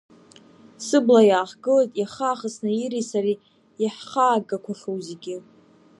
Сыбла иаахгылеит иахаахыс Наиреи сареи иаҳхаагақәахьоу зегьы…